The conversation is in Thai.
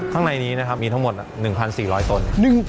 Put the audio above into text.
ข้างในนี้มีทั้งหมด๑๔๐๐ต้น